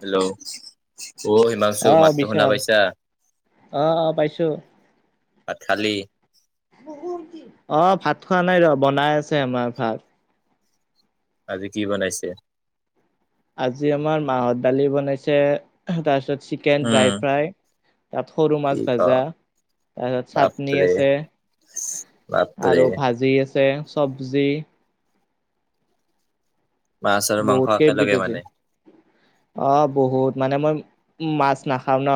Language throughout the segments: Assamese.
হেল্ল' অ, হিমাংশু অ মাতটোও শুনা বিশাল পাইছা। অ, অ, পাইছো। ভাত খালি। অ ভাত খোৱা নাই ৰ বনাই আছে আমাৰ ভাত। আজি কি বনাইছে। আজি আমাৰ মাহৰ দালি বনাইছে। তাৰপিছত চিকেন উম ড্ৰাই ফ্ৰাই তাত সৰু কি মাছ ক ভাজা। তাৰপিছত চাটনি বাপৰে আছে বাপৰে আৰু ভাজি আছে। ছে চবজি। মাছ আৰু মাংস বহুতকেই বিট একেলগে যে মানে অ বহুত মানে মই। মাছ নাখাওঁ ন।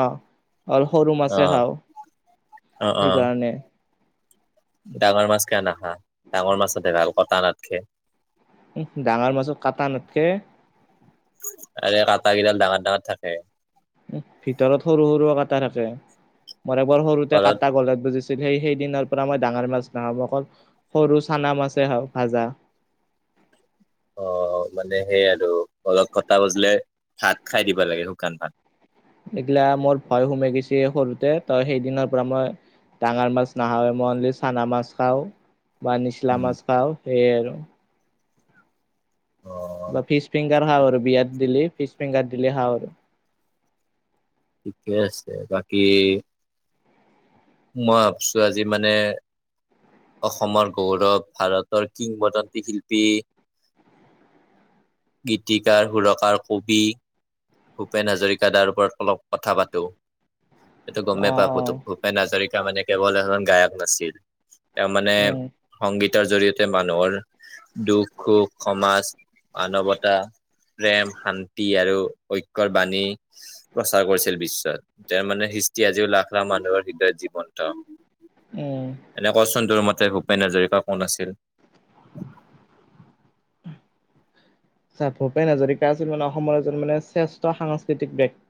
আৰু সৰু অ মাছে খাওঁ। অ অ সেইকাৰণে ডাঙৰ মাছ কিয় নাখা, ডাঙৰ মাছ দেখাল কটা নথ কে। উ ডাঙৰ মাছৰ কাটা নাথকে। আৰু কাটা কেইডাল ডাঙৰ ডাঙৰ থাকে। উ ভিতৰত সৰু সৰু কাটা থাকে। মই এবৰ সৰুতে ঘৰত কাটা গলোত বুজিছ। সেই সেইদিনৰ পৰা মই ডাঙৰ মাছ নাখাওঁ। অকল সৰু চানা মাছে খাওঁ ভাজা। অ মানে সেইয় আৰু অলপ কথা বজিলে। ভাত খাই দিব লাগে, শুকান ভাত। এইগিলা মোৰ ভয় সোমাই গৈছে। সৰুতে তই সেইদিনৰ পৰা মই। ডাঙৰ মাছ নাখাৱে মনলি চানা মাছ খাওঁ বা নিচলা উম মাছ খাওঁ সেইয় আৰু। অ বা ফিচ ফিংগাৰ খাওঁ আৰু বিয়াত দিলে ফিচ ফিংগাৰ দিলে খাওঁ আৰু। ঠিকেই আছে বাকী। মই ভাবছো আজি মানে। অসমৰ গৌৰৱ ভাৰতৰ কিংবদন্তী শিল্পী। গীতিকাৰ সুৰকাৰ কবি। ভূপেন হাজৰিকাদাৰ, ওপৰত অলপ কথা পাতোঁ। সেটো অ গমেই পাব অ তো ভূপেন হাজৰিকা মানে কেৱল এখন গায়ক নাছিল। তাৰ মানে উম সংগীতৰ জৰিয়তে মানুহৰ। দুখ সুখ সমাজ মানৱতা প্ৰেম শান্তি আৰু ঐক্যয়ৰ বাণী প্ৰচাৰ কৰিছিল বিশ্বত। তেওঁৰ মানে, সৃষ্টি আজিও লাখ লাখ মানুহৰ হৃদয়ত জীৱনন্ত উম এনেক কচোনটোৰ মতে ভূপেন হাজৰিকা কোন আছিল। আ ভূপেন হাজৰিকা আছিল। মানে অসমৰ এজন মানে শ্ৰেষ্ঠ সাংস্কৃতিক ব্যক্তি।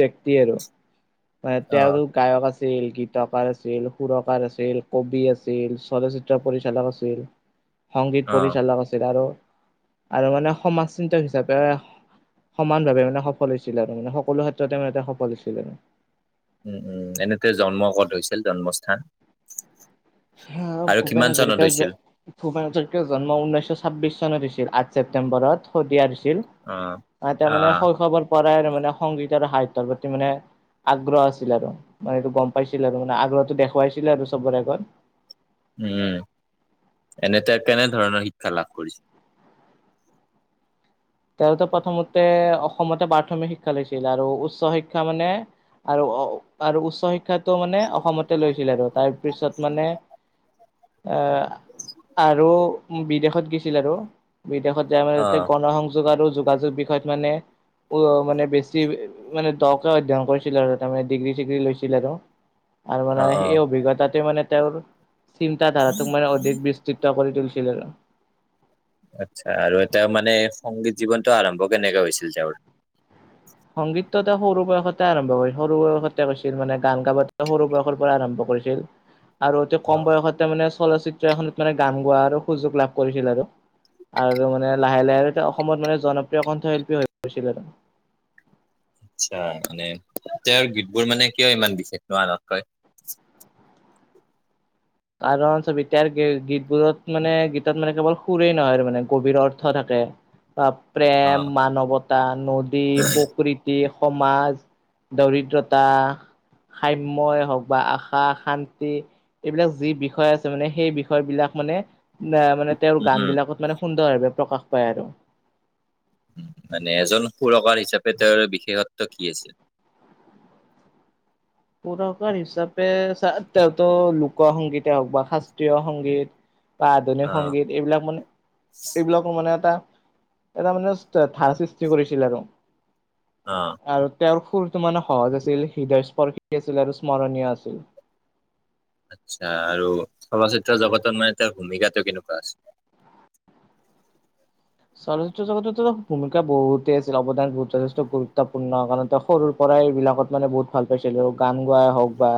ব্যক্তি আৰু মানে অ', তেওঁৰো গায়ক আছিল। গীত [unintelligible] তকাৰ আছিল সুৰকাৰ আছিল কবি আছিল চলচ্চিত্ৰ পৰিচালক আছিল। সংগীত অ', পৰিচালক আছিল, আৰু আৰু মানে সমাজ চিন্তক হিচাপে। সমান ভাৱে মানে সফল হৈছিলে। আৰু মানে সকলো ক্ষেত্ৰতে মানে এ সফল হৈছিলে আৰু উম-উম এনেতে জন্ম ক'ত হৈছিল। জন্মস্থান? আৰু ভূপেন কিমান চনত হাজৰিকাৰ হৈছিল? ভূপেন হাজৰিকাৰ জন্ম উঊনৈশ ছাব্বিশ চনত হৈছিল। আঠ ছেপ্টেম্বৰত শদিয়াত হৈছিল। অ', তেওঁ আ শৈশৱ পৰা আৰু। মানে সংগীত আৰু সাহিত্যৰ প্ৰতি মানে। আগ্ৰহ আছিল আৰু মানে এইটো গম পাইছিল। আৰু মানে আগ্ৰহটো দেখুৱাইছিলে আৰু চবৰে আগত। উম, এনে তেওঁ কেনেধৰণৰ শিক্ষা লাভ কৰিছে। [inaudible] তেওঁতো প্ৰথমতে অসমতে প্ৰাথমিক শিক্ষা লৈছিল, আৰু উচ্চ শিক্ষা মানে আৰু। আৰু উচ্চ শিক্ষাটো মানে অসমতে লৈছিল আৰু তাৰপিছত মানে। আহ আৰু বিদেশত গৈছিল। আৰু বিদেশত যায় মানে তাতে অ', গণসংযোগ আৰু যোগাযোগ বিষয়ত মানে। উ মানে বেছি মানে দকে অধ্যয়ন কৰিছিল। আৰু তাৰমানে ডিগ্ৰী চিগ্ৰী লৈছিল আৰু। আৰু মানে অ', সেই অ'। অভিজ্ঞতাটো মানে তেওঁৰ চিন্ত ধাৰাটোক মানে অধিক বিস্তৃত কৰি তুলিছে। [unintelligible] আচ্ছা, আৰু এ তেওঁ মানে সংগীত জীৱনতটো আৰম্ভ কেনেককাে হৈছিল তেওঁৰ? সংগীতটো এটা সৰু বয়সতে আৰম্ভ কৰি সৰু বয়সতে কৈছিল। মানে গান গাব সৰু বয়সৰ পৰা আৰম্ভ কৰি আৰু এতি কম বয়সতে মানে। চলচিত্ৰ এখনত মানে গান গোৱাৰ আৰু সুযোগ লাভ কৰিছিল। আৰু আৰু মানে লাহে-লাহে অসমত মানে জনপ্ৰিয় কণ্ঠশিল্পী হৈ পৰিছিলে। আচ্ছা মানে তেওঁৰ গীতবোৰ মানে কিয় ইমান বিশেষ আনতকৈ। কাৰণ চব এতিাৰ গীতবোৰত মানে গীত মানে কেৱল সুৰৰেই নহয় আৰু মানে গভীৰ অৰ্থ থাকে। প্ৰেম, অ'। মানৱতা, নদী, প্ৰকৃতি। সমাজ, দৰিদ্ৰতা, সাম্য হওঁক বা আশা শান্তি এইবিলাক। যি বিষয় আছে মানে সেই বিষয় বিলাক মানে অ মানে তেওঁৰ উম, গান উম, বিলাকত মানে। প্ৰকাশ পায় আৰু মানে এজন সুৰকাৰ হিচাপে তেওঁৰ বিশেষত্ব কি আছিল? [inaudible] সুৰকাৰ হিচাপে চ তেওঁতো লোক সংগীতে হওঁক বা শাস্ত্ৰীয় সংগীত। বা আধুনিক অ', সংগীত এইবিলাক মানে। এইবিলাক মানে এটা। এটা মানে ধাৰ সৃষ্টি কৰিছিল। আৰু অ', আৰু তেওঁৰ সুৰটো মানে সহজ আছিল হৃদয়স্পৰ্শী আছিল, আৰু স্মৰণীয় আছিল। আচছা আৰু চলচ্চিত্ৰ জগতত মানে তাৰ ভূমিকাটো কেনেকুৱা আছে। চলচ্চিত্ৰ জগততো ভূমিকা বহুতেই আছিল অৱদানত যথেষ্ট গুৰুত্বপূৰ্ণ কাৰণ তেওঁ সৰুৰ পৰা। এবিলাকত মানে বহুত ভাল পাইছিলে। গান গাই হওঁক বা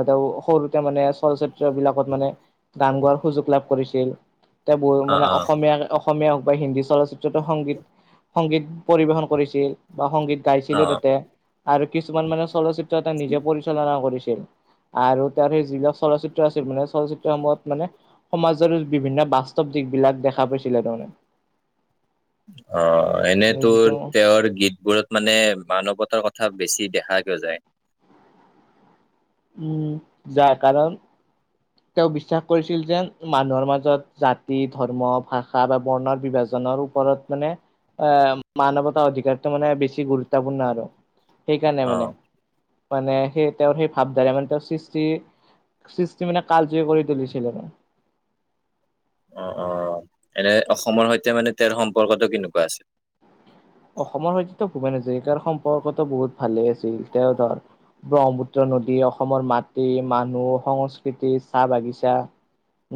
আৰু তেওঁ সৰুতে মানে চলচ্চিত্ৰ। [unintelligible] বিলাকত মানে গান গোৱাৰ সুযোগ লাভ কৰিছিল। এ, ব অ', মানে অ', অসমীয়া। অসমীয়া। বা হিন্দী চলচিত্ৰত সংগীত-সংগীত পৰিবেশন কৰিছিল বা সংগীত। গাইছিলোঁ অ', তাতে আৰু কিছুমান মানে চলচ্চিত্ৰ এটা নিজে পৰিচালনা কৰিছিল। আৰু তাৰ সেই যিবিলাক চলচ্চিত্ৰ আছিল মানে। চলচ্চিত্ৰসমূহত মানে সমাজৰ বিভিন্ন বাস্তৱ দি। এই বিলাক দেখা পাইছিলে তাৰমানে। অ এনে যিটো তোৰ তেওঁৰ গীতবোৰত মানে মানৱতাৰ কথা। বেছি দেখাকৈ কিয় যায়। উম, যায় কাৰণ তেওঁ বিশ্বাস কৰিছিল, যেন মানুহৰ মাজত জাতি, ধৰ্ম, ভাষা বা বৰ্ণৰ বিভাজনা। ওপৰত মানে আহ মানৱতা অধিকাৰটো মানে বেছি গুৰুত্বপূৰ্ণ আৰু। সেইকাৰণে মানে। অ'। মানে সেই তেওঁৰ সেই ভাৱধাৰা মানে। তেওঁৰ সৃষ্টি সৃষ্টি মানে। কালজয় কৰি তুলিছিলে। অ, অ, এনে অসমৰ সৈতে মানে তেওঁৰ সম্পৰ্কটো কেনেকুৱা আছিল? অসমৰ সৈতেতো ভূপেন হাজৰিকাৰ সম্পৰ্কটো বহুত ভালেই আছিল। তেওঁ ধৰ ব্ৰহ্মপুত্ৰ নদি অসমৰ মাটি, মানুহ, সংস্কৃতিৰ, চাহ বাগিচাৰ।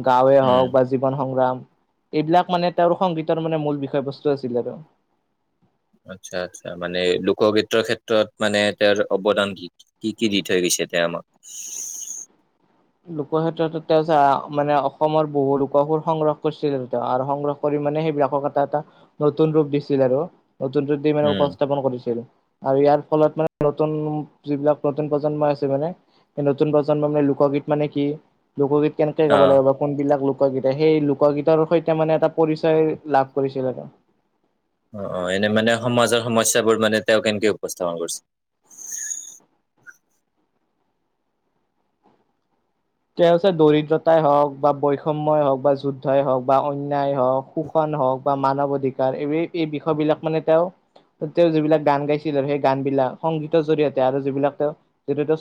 গাঁৱে উম হওঁক বা জীৱন সংগ্ৰাম। এইবিলাক মানে তেওঁৰ সংগীতৰ মানে মূল বিষয়বস্তু আছিলে আৰু। আচ্ছা আচ্ছা মানে লোকগীতৰ ক্ষেত্ৰত মানে তেওঁৰ অৱদান কি কি দি থৈ গৈছে। তেতিয়া আমাক? লোকৰ ক্ষেত্ৰত তেওঁ মানে অসমৰ বহু লোককো সংগ্ৰহ কৰিছিল। তেওঁ আৰু সংগ্ৰহ কৰি মানে সেইবিলাকক এটা এটা নতুন ৰূপ দিছিল, আৰু নতুন ৰূপ দি মানে উম উপস্থাপন কৰিছিল। আৰু ইয়াৰ ফলত মানে নতুন যিবিলাক নতুন প্ৰজন্ম আছে মানে। নতুন প্ৰজন্ম মানে লোকগীত মানে কি, লোকগীত কেনেকে অ গাব লাগিব বা কোনবিলাক লোক। সেই লোকগীতৰ সৈতে মানে এটা পৰিচয় লাভ কৰিছিল আৰু। অ, অ, এনে মানে সমাজৰ সমস্যাবোৰ মানে তেওঁ কেনেকে উপস্থাপন কৰিছে? [inaudible] তেওঁ হৈছে দৰিদ্ৰতাই হওঁক বা বৈষম্যয়ই হওঁক বা যুদ্ধই হওঁক বা অনন্যা হওঁক শোষণ। হওক বা মানৱ অধিকাৰ এই এই বিষয়বিলাক মানে তেওঁ। তেওঁ যিবিলাক গান গাইছিল, আৰু সেই গান বিলাক সংগীতৰ জৰিয়তে আৰু যিবিলাক তেওঁ জৰিয়তে।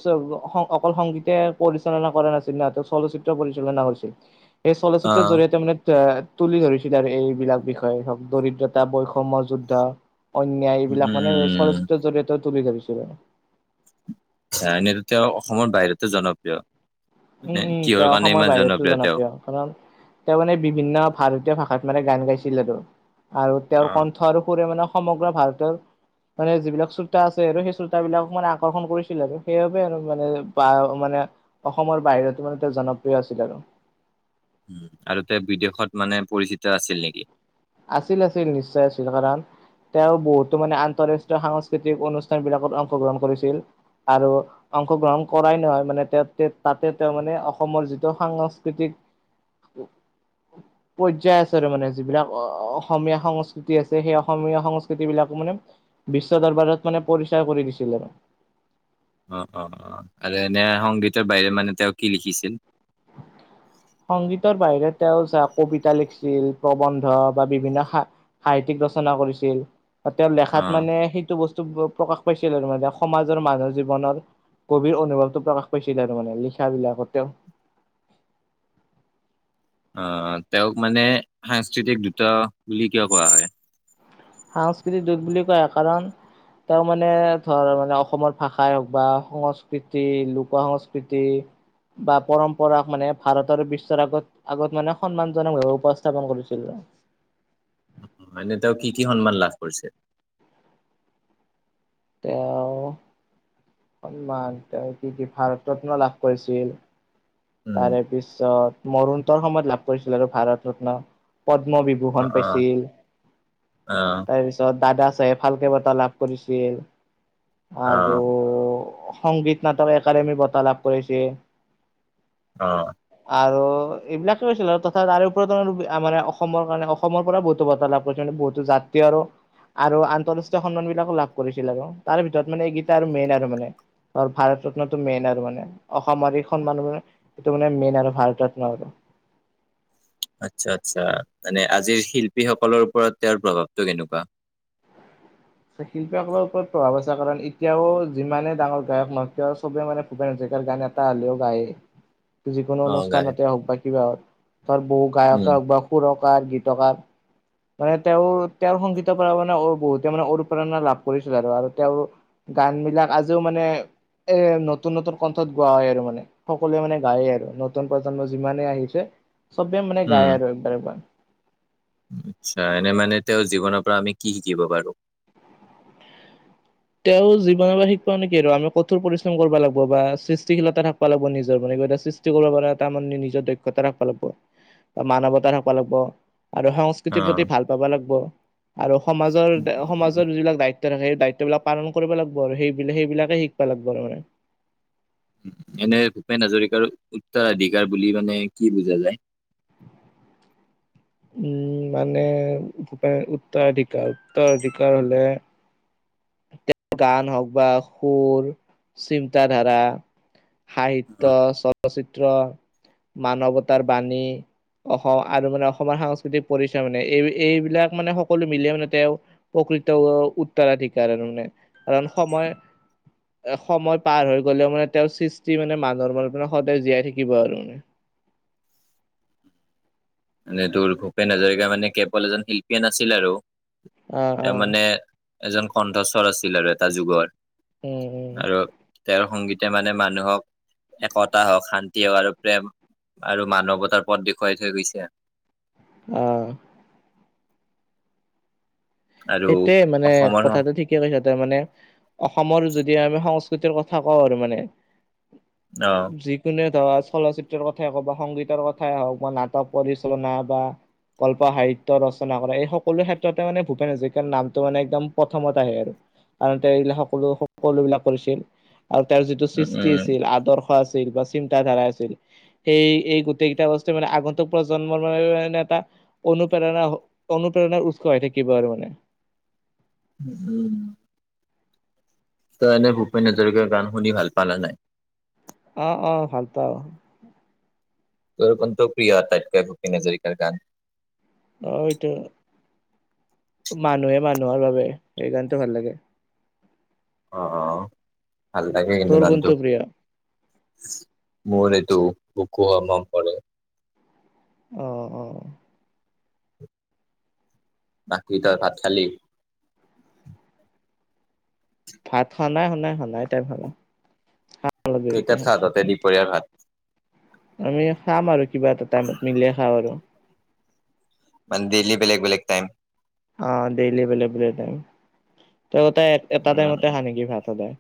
অকল সংগীতে পৰিচালনা কৰা নাছিল। চলচ্চিত্ৰ পৰিচালনা হৈছিল। সেই অ চলচ্চিত্ৰৰ জৰিয়িয়তে মানে। তুলি ধৰিছিল আৰু এইবিলাক বিষয়ে হক দৰিদ্ৰতা, বৈষম্য যুদ্ধ। অন্যায উম উম এইবিলাক মানে উম চলচিত্ৰৰ জৰিয়তে তুলি ধৰিছিলো। এনেত তেওঁ অসমৰ বাহিৰতো জনপ্ৰিয়। উম, মানে উম। কিহৰ তেওঁ কাৰণে অসমৰ ইমান বাহিৰতটো তেওঁ? জনপ্ৰিয় কাৰণ তেওঁ মানে বিভিন্ন ভাৰতীয় ভাষাত। গান গাইছিল আৰু আৰু অ তেওঁৰ কণ্ঠ আৰু সুৰে মানে সমগ্ৰ ভাৰতৰ। মানে যিবিলাক শ্ৰোতা আছে আৰু সেই শ্ৰোতাাবিলাকক মানে আকৰ্ষণ কৰিছিল আৰু, সেইবাবে মানে বা মানে। অসমৰ বাহিৰত তেওঁ জনপ্ৰিয় আছিল। আৰু তেওঁ বিদেশত মানে পৰিচিত আছিল নেকি? আছিল। আছিল। নিশ্চয় আছিল। কাৰণ তেওঁ বহুতো মানে আন্তঃৰাষ্ট্ৰীয় সাংস্কৃতিক অনুষ্ঠান বিলাকত অংশগ্ৰহণ কৰিছিল। আৰু অংশগ্ৰহণ কৰাই নহয় মানে। তেওঁ তাতে তেওঁ মানে অসমৰ যিটো সাংস্কৃতিক। পৰ্যায় আছে আৰু মানে যিবিলাক। অসমীয়া সংস্কৃতি আছে সেই অসমীয়া সংস্কৃতি বিলাকো মানে বিশ্ব দৰবাৰত মানে পৰিস্থি। কৰি দিছিল। [inaudible] অ, অ, অ, আৰু এনে সংগীতৰ বাহিৰে মানে তেওঁ কি লিখিছিল? সংগীতৰ বাহিৰে তেওঁ চা কবিতা লিখিছিল প্ৰবন্ধ বা বিভিন্ন সা সাহিত্যিক। ৰচনা কৰিছিল, আৰু তেওঁ অ লেখাত মানে সেইটো বস্তু। প্ৰকাশ পাইছিল আৰু মানে সমাজৰ মানুহ জীৱনৰ। কবিৰ অনুভৱটো প্ৰকাশ কৰিছিলে আৰু মানে লিখাবিলাক তেঁও। [inaudible] অহ, তেওঁক মানে সাংস্কৃতিক দ্ৰুত বুলি কিয় কোৱা হয়? সাংস্কৃতিক দ্ৰুত বুলি কোৱা কাৰণ। তেওঁ মানে ধৰ, মানে অসমৰ ভাষাই হওঁক বা সংস্কৃতি লোক সংস্কৃতি। বা পৰম্পৰাক মানে, ভাৰতৰ বিশ্বৰ আগত আগত মানে সন্মানজনক ভাৱে উপস্থাপন কৰিছিলে। [inaudible] মানে তেওঁ কি কি সন্মান লাভ কৰিছে? তেওঁ সন্মান তেওঁ কি কি ভাৰত ৰত্ন লাভ কৰিছিল উম, তাৰে পিছত মৰুণোত্তৰ সময়ত লাভ কৰিছিল আৰু ভাৰত ৰত্ন পদ্ম অ', বিভূষণ অ', পাইছিল। অ', তাৰপিছত দাদা ফালকে বঁটা লাভ কৰিছিল আৰু অ', সংগীত নাটক একাডেমি বঁটা লাভ কৰিছে অ'। আৰু এইবিলাকে কৰিছিল আৰু তথা তাৰে ওপৰত মানে অসমৰ কাৰণে অসমৰ পৰা বহুতো বটাঁ লাভ কৰিছিল। বহুতো যাত্ৰী আৰু আৰু আন্তৰাষ্ট্ৰীয় সন্মান বিলাকো লাভ কৰিছিল। আৰু তাৰে ভিতৰত মানে এইগিটা আৰু মেইন আৰু মানে। ত ভাৰত ৰত্নটো মেইন আৰু মানে অসমৰ অধিক খন মানুহে এইটো মানে মেইন ভাৰত ৰত্ন আৰু আচ্ছা, আচ্ছা, মানে আজিৰ শিল্পীসকলৰ ওপৰত তেওঁৰ প্ৰভাৱটো কেনেকুৱা? [inaudible] শিল্পীসকলৰ ওপৰত প্ৰভাৱ আছে। কাৰণ এতিয়াও যিমানে ডাঙৰ গায়ক নহক কিয় চবে মানে ভূপেন হাজৰিকা তেওঁৰ গান এটা হ'লেও গায়ে। [inaudible] যিকোনো অ', গাই অনুষ্ঠানতে হওঁক, বা কিবা হওঁক ধৰ বহু গায়কে উম, হওঁক বা সুৰক বা গীতকাৰ মানে তেওঁৰ তেওঁ সংগীতৰ পৰা মানে অ বহুতে মানে প্ৰেৰণা লাভ কৰিছিল আৰু আৰু তেওঁৰ গান বিলাক আজিও মানে এ নতুন নতুন কণ্ঠত গোৱা হয় আৰু মানে। সকলোৱে মানে গায়ে, আৰু নতুন প্ৰজন্ম যিমানে আহিছে। চবে মানে উম, গায় আৰু একবাৰ একবাৰ। আচ্ছা এনে মানে তেওঁৰ জীৱনৰ পৰা আমি কি শিকিব পাৰোঁ? তেওঁ জীৱনৰ পৰা শিকব মানে কি আৰু আমি কঠোৰ পৰিশ্ৰম কৰবা লাগব। বা সৃষ্টিশীলতা থাকব লাগব নিজৰ মানে কিবা এটা সৃষ্টি কৰিবা পাৰা তাৰ মানে নিজৰ দক্ষতা থাকব লাগব বা মানৱতা থাকব লাগব। আৰু সংস্কৃতিৰ প্ৰতি অ', ভাল পাব লাগব আৰু সমাজৰ সমাজৰ যিবিলাক দায়িত্ব থাকে। সেই দায়িত্ব বিলাক পালন কৰিব লাগব আৰু সেইবিলাক সেইবিলাকে শিকবা লাগব আৰু মানে। এনে ভূপেন হাজৰিকাৰ উত্তৰাধিকাৰ বুলি মানে, কি বুজা যায়? [inaudible] উম' মানে ভূপেন উত্তৰাধিকাৰ উত্তৰাধিকাৰ হ'লে গান হওঁক বা সুৰ চিন্ত ধাৰা সাহিত্য চলচিত্ৰ মানৱতাৰ বাণী অসম আৰু মানে অসমৰ সাংস্কৃতিক পৰিচয় মানে। এই এইবিলাক মানে সকলো মিলিয়ে মানে তেওঁ কৃত উত্তৰাধিকাৰ মানে, কাৰণ সময় এ সময় পাৰ হৈ গ'লেও মানে তেওঁৰ সৃষ্টি মানে মানুহৰ মনত মানে সদায় জীয়াই থাকিব। আৰু [inaudible] মানে তোৰ ভূপেন হাজৰিকা মানে কেৱল এজন শিল্পীয়ে নাছিল আৰু আহ তাৰ আহ। মানে, এজন কণ্ঠস্বৰ আছিল আৰু এটা যুগৰ। উম', উম'। আৰু তেওঁৰ সংগীতে মানে মানুহক একতা হওঁক শান্তি হওঁক আৰু প্ৰেম আৰু মানৱতাৰ পথ দেখুৱাই থৈ গৈছে। অ'। আৰু সেইটোৱে মানে অসমৰ অ কথাটো ঠিকে কৈছা তই মানে অসমৰ যদি আমি সংস্কৃ কৃতি কথা কওঁ আৰু মানে যিকোনো চলচিত্ৰৰ কথাই হওক বা সংগীতৰ কথাই হওঁক বা নাটক পৰিচালনা বা কল্প সাহিত্য ৰচনা কৰা এই সকলো ক্ষেত্ৰতে মানে ভূপেন হাজৰি কাৰ নামটো মানে একদম প্ৰথমত আহে আৰু কাৰ এইবিলাক সকলো সকলোবিলাক কৰিছিল। আৰু তেওৰ যিটো উম সৃষ্টি উম আছিল আদৰ্শ আছিল। বা চিন্ত ধাৰা আছিল সেই এই গোটেইকেইটা বস্তু মানে আগন্তুক প্ৰজন্মৰ ম মানে এটা। অনুপ্ৰেৰণা অনুপ্ৰেৰণাৰ উৎস হৈ থাকিব আৰু মানে। উ উম। তই এনে ভূপেন হাজৰিকাৰ গান শুনি ভাল পা না নাই। আহ অ' ভাল পাও। তোৰ অন্ত প্ৰিয় আটাইতকৈ ভূপেন হাজৰিকাৰ গান। অ' সেটো। মানুহে মানুহৰ বাবে সেই গানটো ভাল লাগে। অ' ভাল লাগে কিন্তু তোৰ গানটো। কোনটো প্ৰিয় মোৰ এটো বুকু হম হম কৰে। অ', অ'। বাকি তই ভাত খালি। ভাত খ নাই খনাই খনাই তাই ভাল কেইটাত খাততে দপৰীয়াৰ ঘাত। আমি খাম আৰু কিবা এটা টাইমত মিলিয়ে খাওঁ আৰু। মানে দিলী বেলেগ বেলেগ টাইম। অ' ডেইল ব বলে ত উম এটা াইমতে আহা নেকি ভাত সদায়।